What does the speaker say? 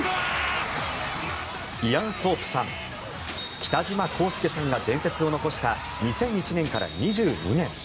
イアン・ソープさん北島康介さんが伝説を残した２００１年から２２年。